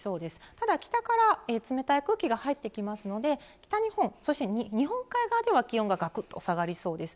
ただ北から冷たい空気が入ってきますので、北日本、そして日本海側では気温ががくっと下がりそうです。